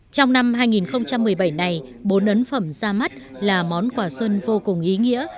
trong năm hai nghìn một mươi bảy này bốn ấn phẩm ra mắt là món quà xuân vô cùng ý nghĩa